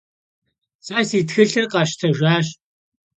Se si txılhır khesştejjaş.